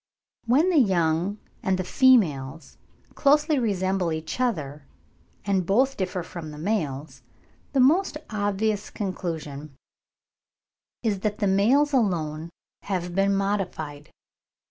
When the young and the females closely resemble each other and both differ from the males, the most obvious conclusion is that the males alone have been modified.